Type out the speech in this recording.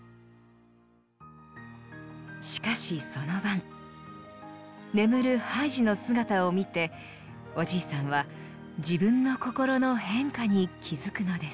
しかしその晩眠るハイジの姿を見ておじいさんは自分の心の変化に気付くのです。